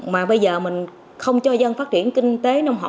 mà bây giờ mình không cho dân phát triển kinh tế nông hộ